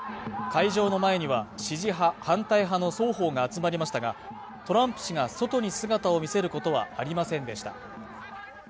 会場の前には支持派反対派の双方が集まりましたがトランプ氏が外に姿を見せることはありませんでした